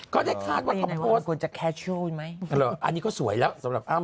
ก็ได้คาดว่าเขาโพสต์อันนี้ก็สวยแล้วสำหรับอ้าวมัน